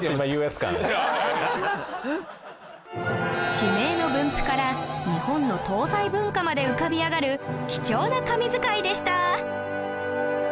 地名の分布から日本の東西文化まで浮かび上がる貴重な神図解でした